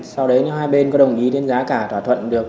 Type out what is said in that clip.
sau đấy hai bên có đồng ý đến giá cả thỏa thuận được